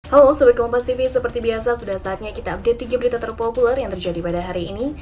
halo sebagai kompas tv seperti biasa sudah saatnya kita update tiga berita terpopuler yang terjadi pada hari ini